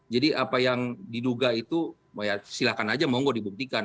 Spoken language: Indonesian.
jadi apa yang diduga itu silahkan aja monggo dibuktikan